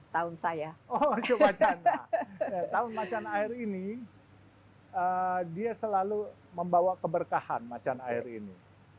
tahun saya tahun macan air ini dia selalu membawa keberkahan macan air ini